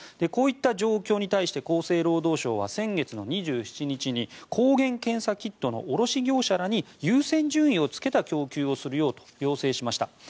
こういった状況に対して厚生労働省は先月２７日に抗原検査キットの卸業者らに優先順位をつけた供給をするようにと要請しました。